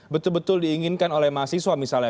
betul betul diinginkan oleh mahasiswa misalnya